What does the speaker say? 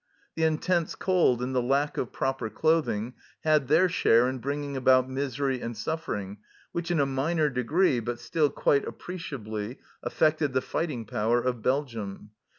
The intense cold and the lack of proper clothing had their share in bringing about misery and suffering, which in a minor degree, but still quite appreciably, affected the fighting power of Belgium.